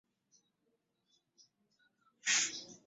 Ssente ezaazimba nze nnali nziwereza.